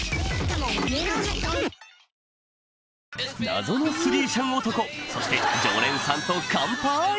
謎のスリーシャン男そして常連さんと乾杯！